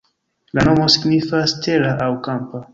La nomo signifas tera aŭ kampa.